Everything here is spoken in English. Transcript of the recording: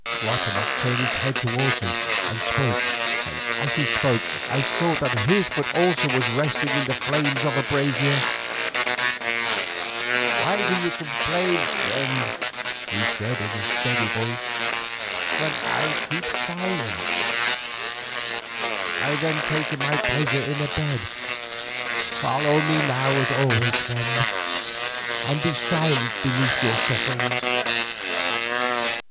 Guatemoc turned his head towards him and spoke, and as he spoke I saw that his foot also was resting in the flames of a brazier. "Why do you complain, friend," he said, in a steady voice, "when I keep silence? Am I then taking my pleasure in a bed? Follow me now as always, friend, and be silent beneath your sufferings."